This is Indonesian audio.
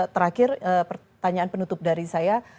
terakhir pertanyaan penutup dari saya